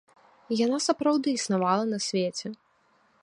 Яна сапраўды існавала на свеце.